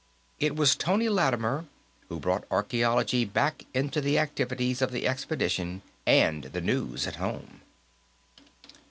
It was Tony Lattimer who brought archaeology back into the activities of the expedition and the news at home.